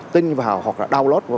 tin vào hoặc là download